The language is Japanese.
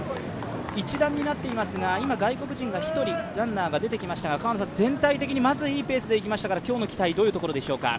一団になっていますが、今、外国人が１人ランナーが出てきましたが、全体的に、まずいいペースできましたから今日の期待、どういうところでしょうか？